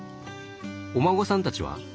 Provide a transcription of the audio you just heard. お孫さんたちは？